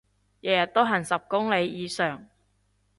日日都行十公里以上